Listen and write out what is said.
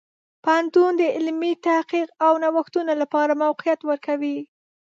پوهنتون د علمي تحقیق او نوښتونو لپاره موقعیت ورکوي.